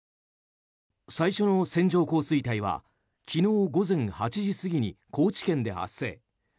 最初の線状降水帯は昨日午前８時過ぎに高知県で発生。